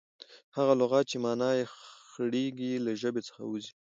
هغه لغت، چي مانا ئې خړېږي، له ژبي څخه وځي.